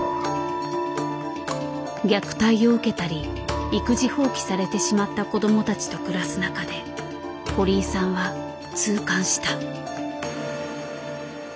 虐待を受けたり育児放棄されてしまった子どもたちと暮らす中で堀井さんは痛感した。